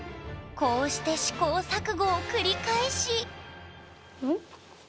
こうして試行錯誤を繰り返しうん？